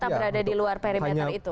dan tetap berada di luar perimeter itu